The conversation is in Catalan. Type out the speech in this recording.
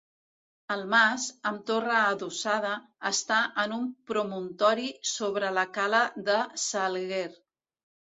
El mas, amb torre adossada, està en un promontori sobre la cala de s'Alguer.